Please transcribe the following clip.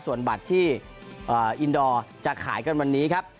ส่วนบัตรที่อินดอร์จะขายกันวันนี้ครับ